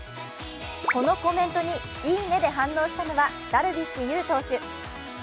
このコメントに、いいねで反応したのはダルビッシュ有投手。